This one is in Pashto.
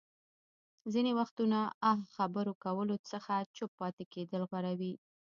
ځينې وختونه اه خبرو کولو څخه چوپ پاتې کېدل غوره وي.